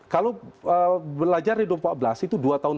kalau belajar di tahun dua ribu empat belas itu dua tahun